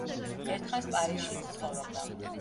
ერთხანს პარიზშიც ცხოვრობდა.